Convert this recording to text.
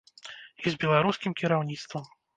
І з беларускім кіраўніцтвам.